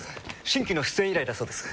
新規の出演依頼だそうです。